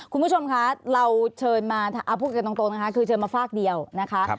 คุณผู้ชมคะเราเชิญมาพูดกันตรงนะคะคือเชิญมาฝากเดียวนะคะ